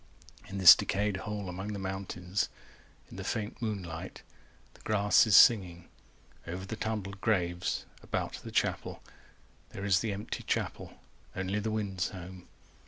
In this decayed hole among the mountains 385 In the faint moonlight, the grass is singing Over the tumbled graves, about the chapel There is the empty chapel, only the wind's home.